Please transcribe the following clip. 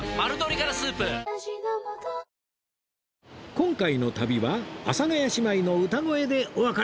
今回の旅は阿佐ヶ谷姉妹の歌声でお別れ